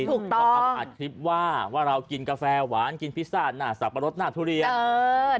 เขาเอามาอัดคลิปว่าว่าเรากินกาแฟหวานกินพิซซ่าหน้าสับปะรดหน้าทุเรียน